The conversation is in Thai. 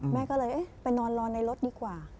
แม่ก็เลยไปนอนรอในรถดีกว่า